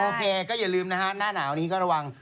โอเคก็อย่าลืมนะฮะหน้าหนาวนี้ก็ระวัง